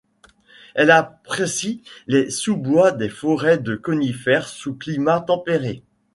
Elle apprécie les sous-bois des forêts de conifères sous climat tempéré.